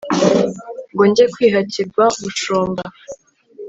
ngo njye kwihakirwa bushumba